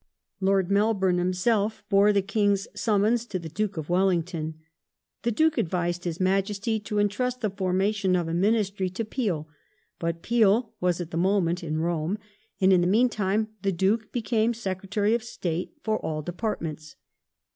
*Sir Robert Lord Melbourne himself bore the King's summons to the Duke Ministry ^^ Wellington. The Duke advised His Majesty to entrust the Novem formation of a Ministry to Peel, but Peel was at the moment in Ap^ril^islh, Ro^iiG, and in the meantime the Duke became Secretary of State 1835 fbr all departments.